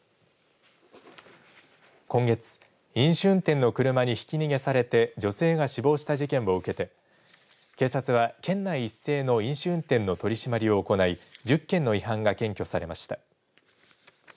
今月、飲酒運転の車にひき逃げされて女性が死亡した事件を受けて警察は県内一斉の飲酒運転の取締りを行い１０件の違反が検挙されました。